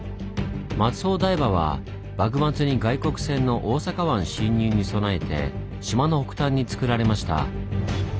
松帆台場は幕末に外国船の大阪湾侵入に備えて島の北端につくられました。